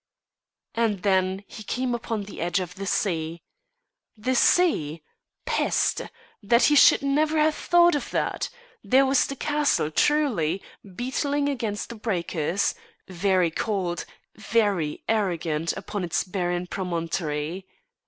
And then he came upon the edge of the sea. The sea! Peste! That he should never have thought of that! There was the castle, truly, beetling against the breakers, very cold, very arrogant upon its barren promontory.